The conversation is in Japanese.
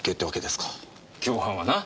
共犯はな。